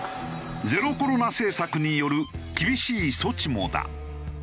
ゼロコロナ政策による厳しい措置もだ。